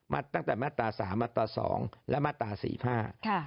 ตั้งแต่มาตราสามมาตราสองและมาตราสี่ห้าค่ะ